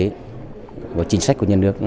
của chính sách của nhà nước